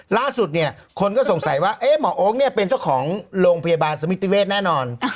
ล่าสุดเนี่ยคนก็สงสัยว่าหมอโอ๊คเนี่ยเป็นเจ้าของโรงพยาบาลสมิติเวทแน่นอน